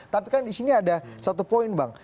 tapi kan di sini ada satu poin bang